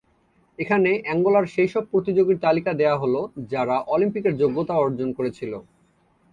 এখানে অ্যাঙ্গোলার সেইসব প্রতিযোগীর তালিকা দেওয়া হল যারা অলিম্পিকের যোগ্যতা অর্জন করেছিল।